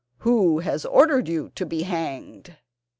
"Who has ordered you to be hanged?"